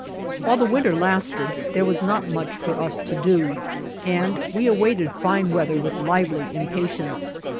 While the winter lasted, there was not much for us to do, and we awaited fine weather with lively impatience.